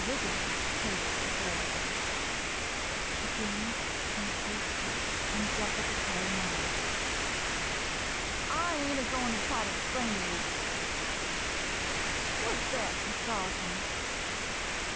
Wiggin takes the Hoor. Mrs. Wiggin [Begins in hasty and deprecatory manner.] I ain't a goin' to try to explain to you — what 's thet, Miss Parsons